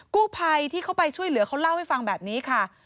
กู้ภัยที่เข้าไปช่วยเหลือเขาเล่าให้ฟังแบบนี้ค่ะ